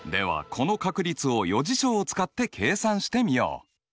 この確率を余事象を使って計算してみよう。